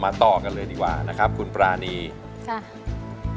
ต่อกันเลยดีกว่านะครับคุณปรานีค่ะ